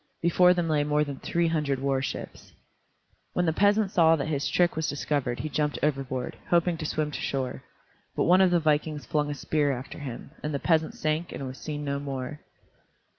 Before them lay more than three hundred war ships. When the peasant saw that his trick was discovered he jumped overboard, hoping to swim to shore. But one of the vikings flung a spear after him, and the peasant sank and was seen no more.